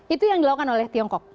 itu yang dilakukan oleh tiongkok